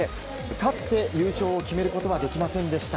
勝って優勝を決めることはできませんでした。